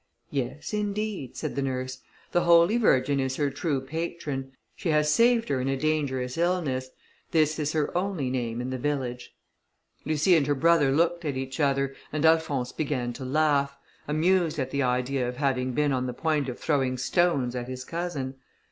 "Yes, indeed," said the nurse, "the Holy Virgin is her true patron; she has saved her in a dangerous illness: this is her only name in the village." Lucie and her brother looked at each other, and Alphonse began to laugh, amused at the idea of having been on the point of throwing stones at his cousin.